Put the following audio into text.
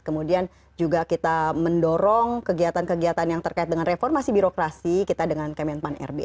kemudian juga kita mendorong kegiatan kegiatan yang terkait dengan reformasi birokrasi kita dengan kemenpan rb